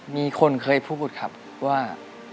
มีคนเคยพูดครับว่า